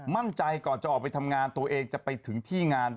มั่นใจก่อนจะออกไปทำงานตัวเองจะไปถึงที่งาน